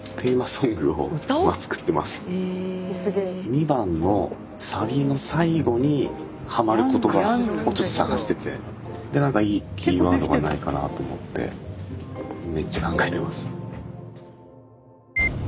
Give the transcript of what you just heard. ２番のサビの最後にハマる言葉をちょっと探しててでなんかいいキーワードないかなと思ってめっちゃ考えてます。